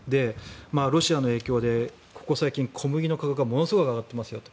ロシアの影響でここ最近小麦の価格がものすごい上がっていますよと。